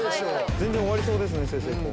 全然終わりそうですね済々黌も。